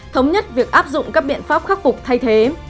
thống nhất việc áp dụng các biện pháp khắc phục thay thế